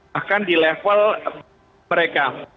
bahkan di level mereka